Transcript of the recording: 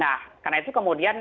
nah karena itu kemudian